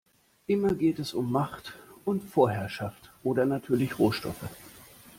Immer geht es um Macht und Vorherschaft oder natürlich Rohstoffe.